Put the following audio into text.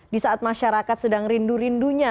disaat masyarakat sedang rindu rindunya